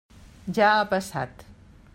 Ja ha passat.